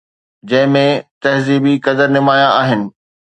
جنهن ۾ تهذيبي قدر نمايان آهن.